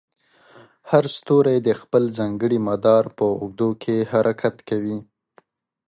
هر ستوری د خپل ځانګړي مدار په اوږدو کې حرکت کوي.